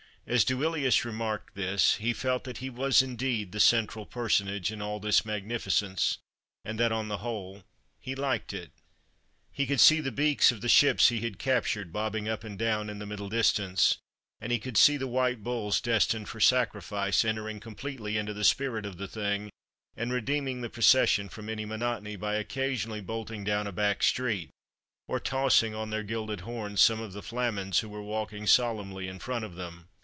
As Duilius remarked this he felt that he was, indeed, the central personage in all this magnificence, and that, on the whole, he liked it. He could see the beaks of the ships he had captured bobbing up and down in the middle distance; he could see the white bulls destined for sacrifice entering completely into the spirit of the thing, and redeeming the procession from any monotony by occasionally bolting down a back street, or tossing on their gilded horns some of the flamens who were walking solemnly in front of them.